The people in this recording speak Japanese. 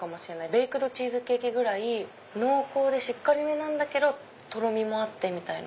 ベイクドチーズケーキぐらい濃厚でしっかりめなんだけどとろみもあってみたいな。